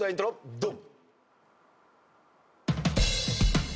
ドン！